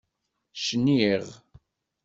Cniɣ.